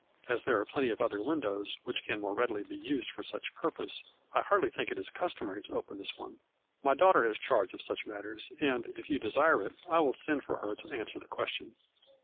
As there are plenty of other windows which can more readily be used for such purpose, I hardly think it is customary to open this one. My daughter has charge of such matters, and, if you desire it, I will send for her to answer the question."